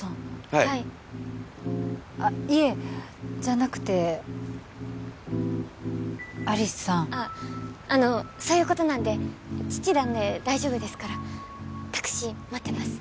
はいあっいえじゃなくて有栖さんあっあのそういうことなんで父なんで大丈夫ですからタクシー待ってます